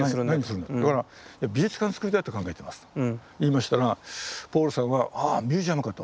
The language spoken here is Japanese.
「美術館つくりたいと考えてます」と言いましたらポールさんは「ああミュージアムか」と。